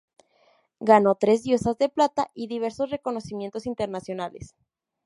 Ganó tres "Diosas de Plata" y diversos reconocimientos internacionales.